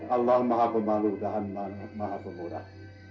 allah maha pemalu dahan maha pemurah